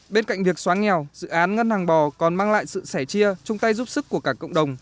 bên cạnh việc xóa nghèo dự án ngân hàng bò còn mang lại sự sẻ chia chung tay giúp sức của cả cộng đồng